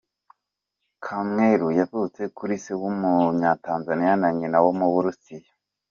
Kamwelu yavutse kuri se w’Umunya-Tanzanian na nyina wo mu Burusiya.